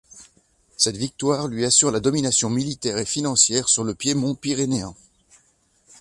Cette victoire lui assure la domination militaire et financière sur le piémont pyrénéen.